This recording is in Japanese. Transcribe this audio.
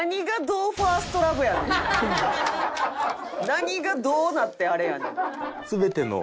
何がどうなってあれやねん。